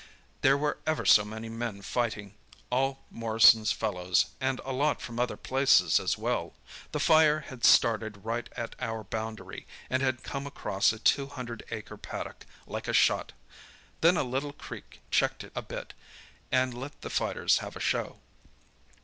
There were ever so many men fighting it; all Morrison's fellows, and a lot from other places as well. The fire had started right at our boundary, and had come across a two hundred acre paddock like a shot. Then a little creek checked it a bit, and let the fighters have a show.